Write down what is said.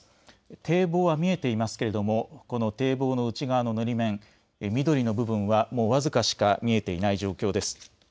堤防は見えていますけれどもこの堤防の内側ののり面緑の部分はもう僅かしか見えていない状況です。